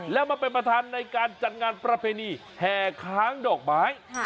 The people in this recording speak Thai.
แล้วมาเป็นประธานในการจัดงานประเพณีแห่ค้างดอกไม้